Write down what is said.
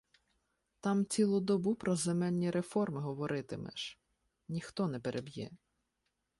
Там цілу добу про земельні реформи говоритимеш, ніхто не переб'є.